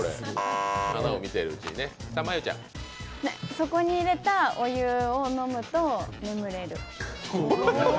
そこにいれたお湯を飲むと眠れる。